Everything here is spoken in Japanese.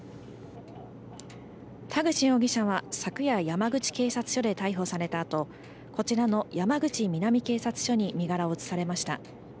田口容疑者は昨夜、山口警察署で逮捕されたあとこちらの山口南警察署に身柄を移されました。